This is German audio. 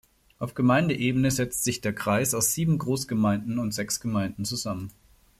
Auf Gemeindeebene setzt sich der Kreis aus sieben Großgemeinden und sechs Gemeinden zusammen.